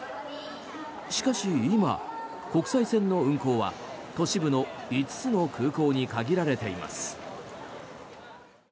しかし今、国際線の運航は都市部の５つの空港に限られています。